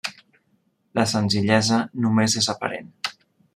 La senzillesa només és aparent.